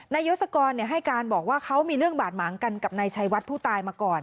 ยศกรให้การบอกว่าเขามีเรื่องบาดหมางกันกับนายชัยวัดผู้ตายมาก่อน